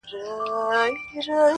موږ چي غلا شروع کړه، بيا سپوږمۍ راوخته.